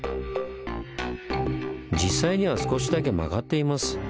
実際には少しだけ曲がっています。